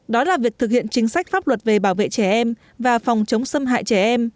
đó là việc thực hiện chính sách pháp luật về bảo vệ trẻ em và phòng chống xâm hại trẻ em